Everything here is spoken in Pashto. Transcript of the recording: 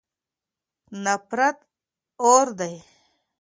نفرت اور دی.